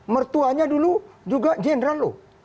mertuanya dulu juga general loh